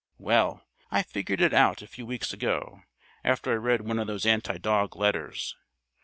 Well, I figured it out a few weeks ago, after I read one of those anti dog letters.